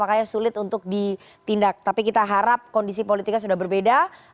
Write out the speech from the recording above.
makanya sulit untuk ditindak tapi kita harap kondisi politiknya sudah berbeda